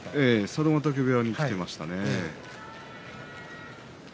佐渡ヶ嶽部屋に来ていましたね。